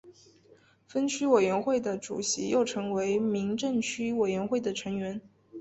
分区委员会的主席又成为民政区委员会的成员。